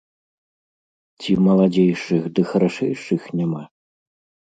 Ці маладзейшых ды харашэйшых няма?